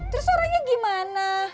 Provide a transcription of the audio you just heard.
terus orangnya gimana